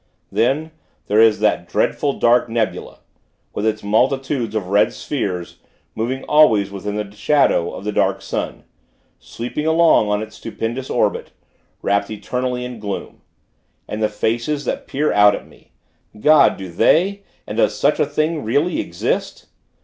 Then, there is that dreadful, dark nebula (with its multitudes of red spheres) moving always within the shadow of the Dark Sun, sweeping along on its stupendous orbit, wrapped eternally in gloom. And the faces that peered out at me! God, do they, and does such a thing really exist?